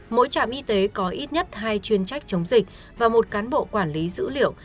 mỗi trạm y tế có ít nhất hai chuyên trách chống dịch và một cán bộ quản lý dữ liệu